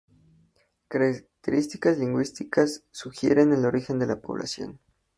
Características lingüísticas sugieren el origen de la población.